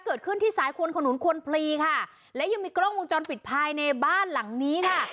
เกิดขึ้นที่สายควนขนุนควนพลีค่ะและยังมีกล้องวงจรปิดภายในบ้านหลังนี้ค่ะ